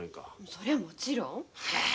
そりゃもちろん。